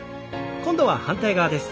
今度は反対側です。